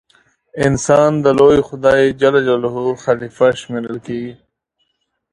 انسان د لوی خدای خلیفه شمېرل کیږي.